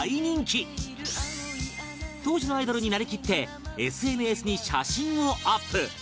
当時のアイドルになりきって ＳＮＳ に写真をアップ